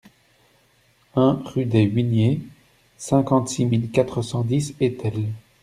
un rue des Huniers, cinquante-six mille quatre cent dix Étel